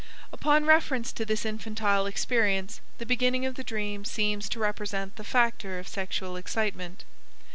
Upon reference to this infantile experience, the beginning of the dream seems to represent the factor of sexual excitement.